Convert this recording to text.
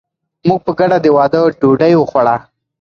موږ په ګډه د واده ډوډۍ وخوړه.